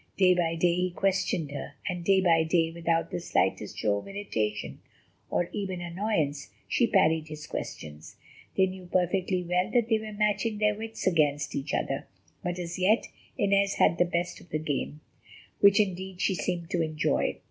Day by day he questioned her, and day by day, without the slightest show of irritation, or even annoyance, she parried his questions. They knew perfectly well that they were matching their wits against each other; but as yet Inez had the best of the game, which, indeed, she seemed to enjoy.